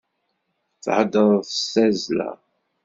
Theddṛeḍ s tazzla.